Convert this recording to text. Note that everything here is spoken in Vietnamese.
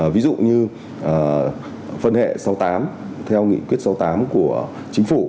ví dụ như phân hệ sáu mươi tám theo nghị quyết sáu mươi tám của chính phủ